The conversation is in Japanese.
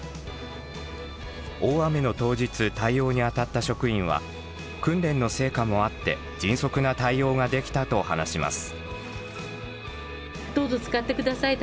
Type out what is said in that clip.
大雨の当日対応にあたった職員は訓練の成果もあって迅速な対応ができたと話します。